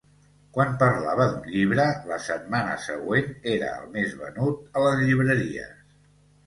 Quan parlava d’un llibre, la setmana següent era el més venut a les llibreries.